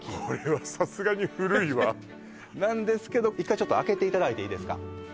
これはさすがに古いわなんですけど１回ちょっと開けていただいていいですか？